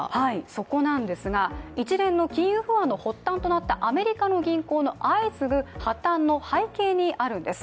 そこなんですが一連の金融不安の発端となったアメリカの銀行の相次ぐ破綻の背景にあるんです。